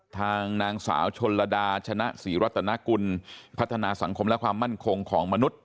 ทางนางสาวชนลดาชนะศรีรัตนกุลพัฒนาสังคมและความมั่นคงของมนุษย